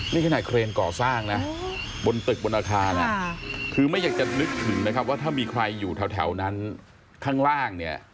นี่ขนาดเครนก่อสร้างนะบนตึกบนอาคารคือไม่อยากจะนึกถึงนะครับว่าถ้ามีใครอยู่แถวนั้นข้างล่างเนี่ย